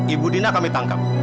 ibu dina kami tangkap